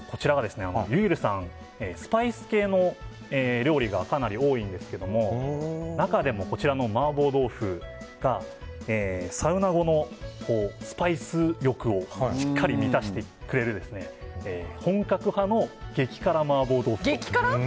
ゆいるさんはスパイス系の料理がかなり多いんですけども中でも、こちらの麻婆豆腐がサウナ後のスパイス欲をしっかり満たしてくれる本格派の激辛麻婆豆腐です。